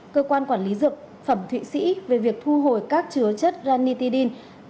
cơ quan quản lý dược phẩm thụy sĩ về việc thu hồi các chứa chất ranitidin